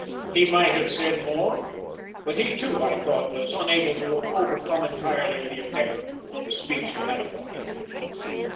He might have said more, but he, too, I thought, was unable to overcome entirely the effect the speech had had upon him.